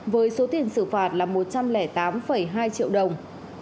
với số tiền xử phạt là một trăm linh tám hai triệu đồng